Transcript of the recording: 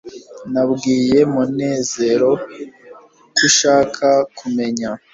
nabwiye munezero ko ushaka kumenya